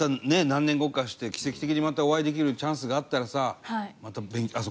何年後かして奇跡的にまたお会いできるチャンスがあったらさあ